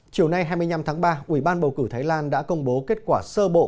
chiều nay hai mươi năm tháng ba ủy ban bầu cử thái lan đã công bố kết quả sơ bộ